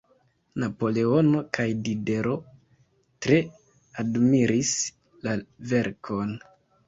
Napoleono kaj Diderot tre admiris la verkon.